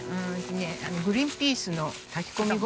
グリーンピースの炊き込みご飯。